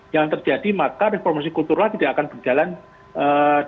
yang terjadi maka reformasi kultural tidak akan berjalan dengan baik